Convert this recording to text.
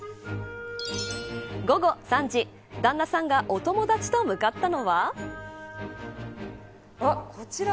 午後３時旦那さんがお友達と向かったのは。